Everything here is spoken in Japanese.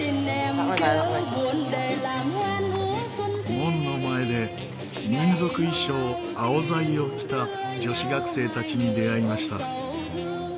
門の前で民族衣装アオザイを着た女子学生たちに出会いました。